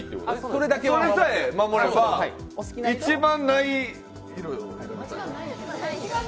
それだけ守れば一番ない色よ。